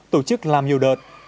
tổ chức làm nhiều đợt